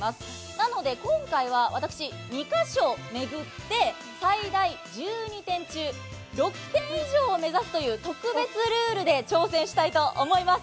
なので今回は私、２か所巡って、最大１２点中、６点以上を目指すという特別ルールで挑戦したいと思います。